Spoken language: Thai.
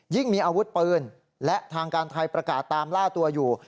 มีอาวุธปืนและทางการไทยประกาศตามล่าตัวอยู่